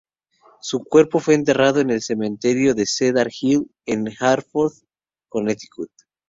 Su cuerpo fue enterrado en el cementerio de Cedar Hill en Hartford, Connecticut.